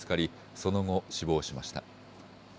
その後、死亡しました。